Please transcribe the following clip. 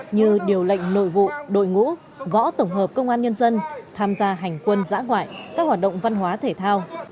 như điều lệnh nội vụ đội ngũ võ tổng hợp công an nhân dân tham gia hành quân giã ngoại các hoạt động văn hóa thể thao